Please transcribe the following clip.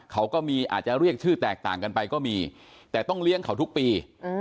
เขาก็มีอาจจะเรียกชื่อแตกต่างกันไปก็มีแต่ต้องเลี้ยงเขาทุกปี